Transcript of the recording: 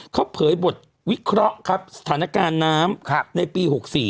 เขาเผยบทวิเคราะห์ครับสถานการณ์น้ำในปี๖๔